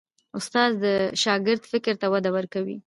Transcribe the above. استاد د شاګرد فکر ته وده ورکوي.